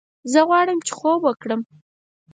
زه غواړم چې خوب وکړم